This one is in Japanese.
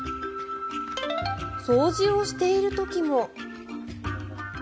掃除をしている時も。